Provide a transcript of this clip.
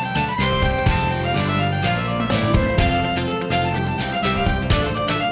showceo sama besok buat gue rentoon